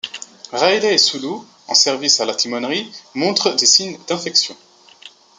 Riley et Sulu, en service à la timonerie, montrent des signes d’infection.